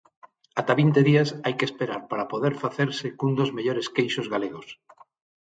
Ata vinte días hai que esperar para poder facerse cun dos mellores queixos galegos.